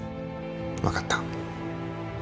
わかった。